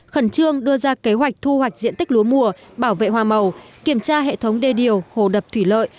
khẩn trương đưa ra kế hoạch thu hoạch diện tích lúa mùa bảo vệ hoa màu kiểm tra hệ thống đê điều hồ đập thủy lợi